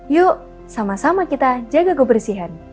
yuk sama sama kita jaga kebersihan